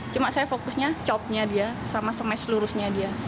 cuma saya fokusnya chopnya dia sama smash lurusnya dia